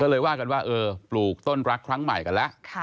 ก็เลยว่ากันว่าเออปลูกต้นรักครั้งใหม่กันแล้ว